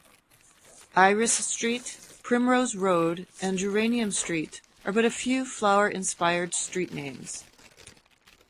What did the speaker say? Iris Street, Primrose Road, and Geranium Street are but a few flower-inspired street names.